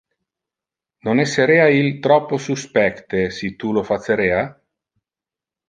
Non esserea il troppo suspecte si tu lo facerea?